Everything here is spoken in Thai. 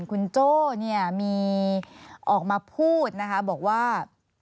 คุณโจ้เนี่ยมีออกมาพูดนะคะบอกว่า